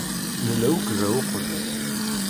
Nella akk da uqbel.